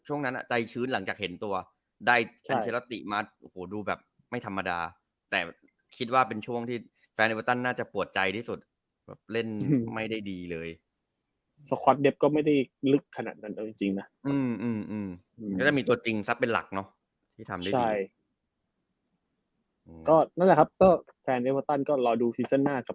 ไว้จงนะมีมีต้นจริงซักเป็นหลักเนาะที่ทำได้ก็นะครับแฟนแฟนก็รอดูซีเซ่นหน้า